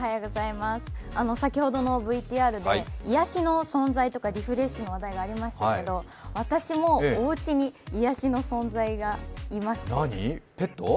先ほどのＶＴＲで癒やしの存在とかリフレッシュの話題がありましたけど、私もおうちに何、ペット？